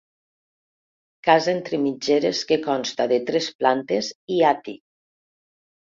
Casa entre mitgeres que consta de tres plantes i àtic.